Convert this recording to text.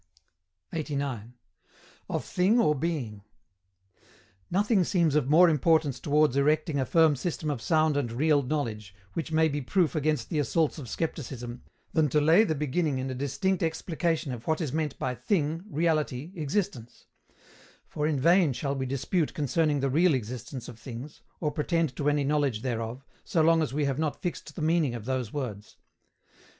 89. OF THING OR BEING. Nothing seems of more importance towards erecting a firm system of sound and real knowledge, which may be proof against the assaults of Scepticism, than to lay the beginning in a distinct explication of what is meant by thing, reality, existence; for in vain shall we dispute concerning the real existence of things, or pretend to any knowledge thereof, so long as we have not fixed the meaning of those words.